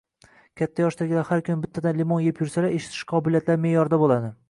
Katta yoshdagilar har kuni bittadan limon yeb yursalar, eshitish qobiliyatlari me’yorida bo‘ladi.